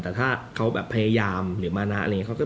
แต่ถ้าเขาแบบพยายามหรือมานะอะไรอย่างนี้